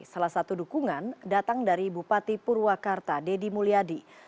salah satu dukungan datang dari bupati purwakarta deddy mulyadi